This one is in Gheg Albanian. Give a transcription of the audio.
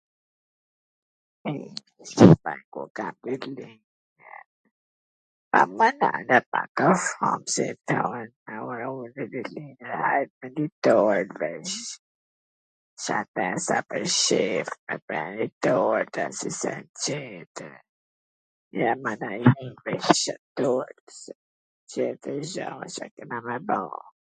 ... tjetwr gja Ca kena me ba...